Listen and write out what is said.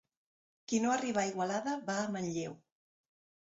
Qui no arriba a Igualada, va a Manlleu.